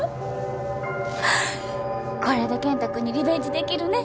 これで健太君にリベンジできるね。